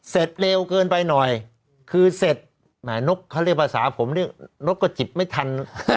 เร็วเกินไปหน่อยคือเสร็จแห่นกเขาเรียกภาษาผมเนี่ยนกก็จิบไม่ทัน